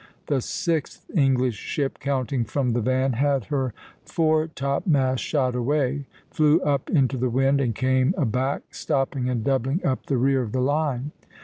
The sixth English ship, counting from the van, had her foretopmast shot away, flew up into the wind, and came aback, stopping and doubling up the rear of the line.